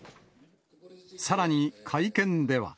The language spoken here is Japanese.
さらに、会見では。